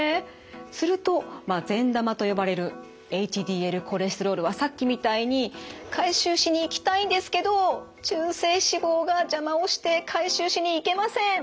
すると善玉と呼ばれるＨＤＬコレステロールはさっきみたいに回収しに行きたいんですけど中性脂肪が邪魔をして回収しに行けません。